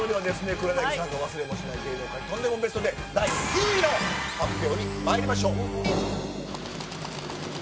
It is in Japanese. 黒柳さんが忘れもしない芸能界トンデモベストテン第９位の発表にまいりましょう。